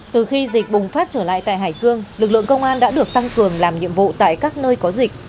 từ khi dịch bùng phát trở lại tại hải dương lực lượng công an đã được tăng cường làm nhiệm vụ tại các nơi có dịch